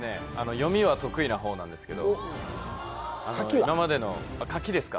読みは得意な方なんですけどあの今までの書きですか？